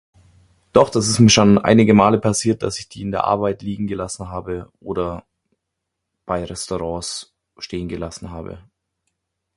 Doch, das ist mir schon einige Male passiert, dass ich die in der Arbeit liegen gelassen habe oder bei Restaurants stehen gelassen habe.